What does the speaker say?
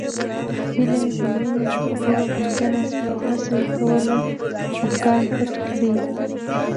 هيله د مينې له خبرو غمجنه شوه او هڅه يې کوله خپګان پټ کړي